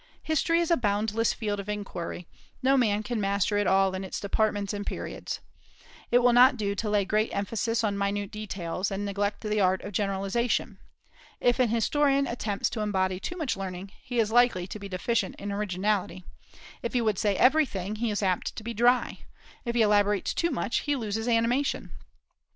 History is a boundless field of inquiry; no man can master it in all its departments and periods. It will not do to lay great emphasis on minute details, and neglect the art of generalization. If an historian attempts to embody too much learning, he is likely to be deficient in originality; if he would say everything, he is apt to be dry; if he elaborates too much, he loses animation.